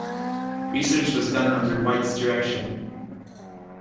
Research was done under White's direction.